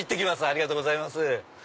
ありがとうございます。